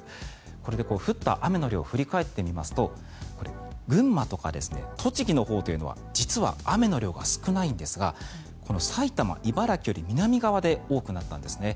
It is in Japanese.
これで降った雨の量を振り返ってみますと群馬とか栃木のほうは実は雨の量が少ないんですがこの埼玉、茨城より南側で多くなったんですね。